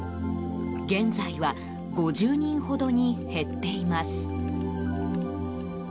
現在は５０人ほどに減っています。